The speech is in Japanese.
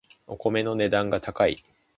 お米の値段が高い